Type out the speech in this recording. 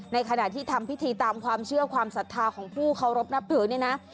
ในขณะที่ทำพิธีตามความเชื่อความศรัทธาของผู้เคารพนับถือเนี่ยนะ